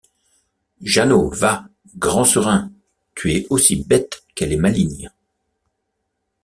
Jeannot, va! grand serin ! tu es aussi bête qu’elle est maligne !